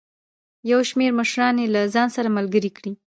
یو شمېر مشران یې له ځان سره ملګري کړي.